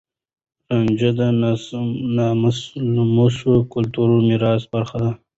رانجه د ناملموس کلتوري ميراث برخه ده.